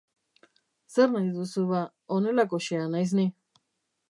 Zer nahi duzu, ba, honelakoxea naiz ni.